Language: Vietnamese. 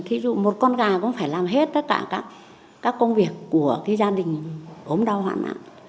thí dụ một con gà cũng phải làm hết tất cả các công việc của gia đình ốm đau hoạn nạn